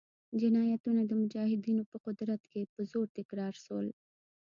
جنایتونه د مجاهدینو په قدرت کې په زور تکرار شول.